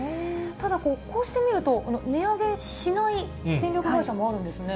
ただ、こうして見ると、値上げしない電力会社もあるんですね。